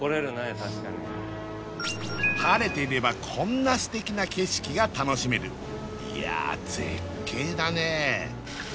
確かに晴れていればこんな素敵な景色が楽しめるいやあ絶景だねえ